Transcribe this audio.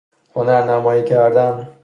هنرنمایی کردن